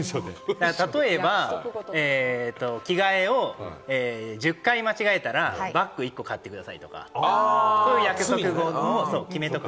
例えば、着替えを１０回間違えたらバック１個買ってくださいとか、そういう約束事を決めておく。